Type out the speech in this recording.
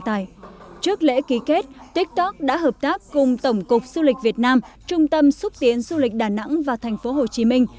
trước lễ ký kết tiktok đã hợp tác cùng tổng cục du lịch việt nam trung tâm xúc tiến du lịch đà nẵng và thành phố hồ chí minh